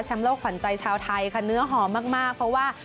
โลกขวัญใจชาวไทยค่ะเนื้อหอมมากเพราะว่า